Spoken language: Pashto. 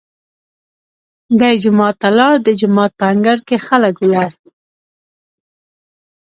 دی جومات ته لاړ، د جومات په انګړ کې خلک ولاړ.